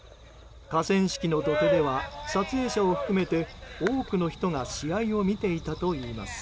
河川敷の土手では撮影者を含めて多くの人が試合を見ていたといいます。